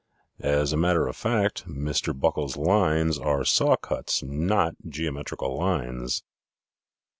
As a matter of fact, Mr. Buckle's lines are saw cuts, not geometrical lines.